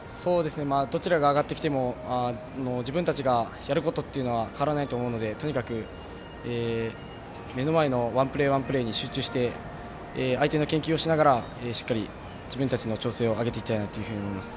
どちらが上がってきても自分たちがやることっていうのは変わらないと思うのでとにかく目の前のワンプレー、ワンプレーに集中して相手の研究をしながらしっかり自分たちの調整を上げていきたいなと思います。